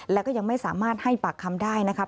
แล้วก็ยังไม่สามารถให้ปากคำได้นะครับ